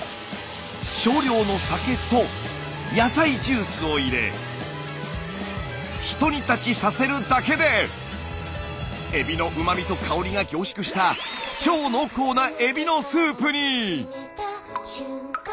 少量の酒と野菜ジュースを入れ一煮立ちさせるだけでエビのうまみと香りが凝縮した超濃厚なエビのスープに！